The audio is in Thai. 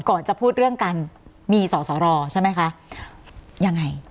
ก่อนจะพูดเรื่องการมีสอสอรอใช่ไหมคะยังไง